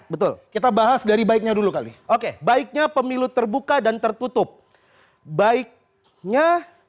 betul kita bahas dari baiknya dulu kali oke baiknya pemilu terbuka dan tertutup baiknya